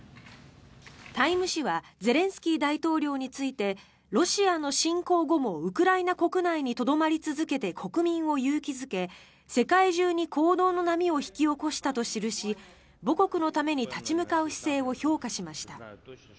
「タイム」誌はゼレンスキー大統領についてロシアの侵攻後もウクライナ国内にとどまり続けて国民を勇気付け世界中に行動の波を引き起こしたと記し母国のために立ち向かう姿勢を評価しました。